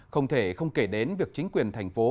không thể không kể đến việc chính quyền thành phố